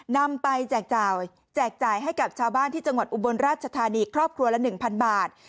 นำไปแจกจ่ายให้กับชาวบ้านที่จังหวัดอุบลราชธานีครอบครัวละ๑๐๐บาท